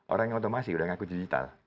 orang yang otomasi udah ngaku digital